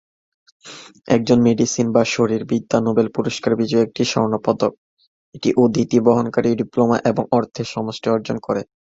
একজন মেডিসিন বা শারীরবিদ্যা নোবেল পুরস্কার বিজয়ী একটি স্বর্ণপদক, একটি উদ্ধৃতি বহনকারী ডিপ্লোমা, এবং অর্থের সমষ্টি অর্জন করে।